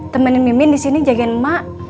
temenin mimin di sini jagain emak